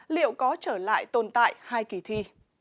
liệu có trở lại tồn tại hai kỳ thi